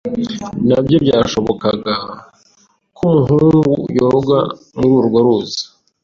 Ntabwo byashobokaga ko umuhungu yoga muri urwo ruzi.